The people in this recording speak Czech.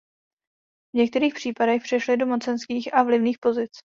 V některých případech přešli do mocenských a vlivných pozic.